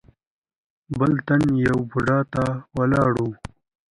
بل تن يوه بوډا ته ولاړ و.